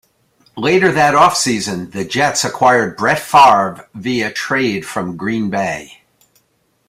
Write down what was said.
Later that offseason, the Jets acquired Brett Favre via trade from Green Bay.